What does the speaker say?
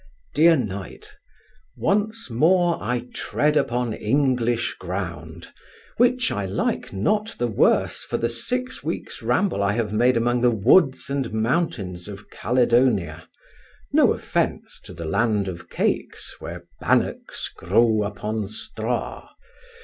DEAR KNIGHT, Once more I tread upon English ground, which I like not the worse for the six weeks' ramble I have made among the woods and mountains of Caledonia; no offence to the land of cakes, where bannocks grow upon straw.